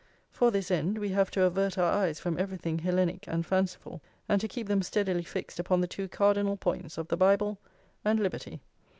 For this end we have to avert our eyes from everything Hellenic and fanciful, and to keep them steadily fixed upon the two cardinal points of the Bible and liberty.